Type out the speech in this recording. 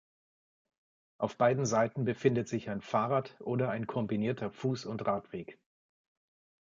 Auf beiden Seiten befindet sich ein Fahrrad- oder ein kombinierter Fuß- und Radweg.